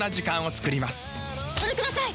それください！